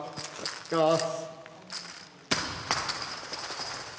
いきます。